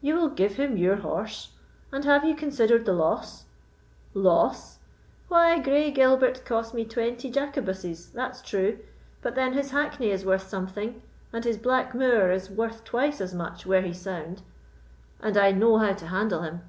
"You will give him your horse? and have you considered the loss?" "Loss! why, Grey Gilbert cost me twenty Jacobuses, that's true; but then his hackney is worth something, and his Black Moor is worth twice as much were he sound, and I know how to handle him.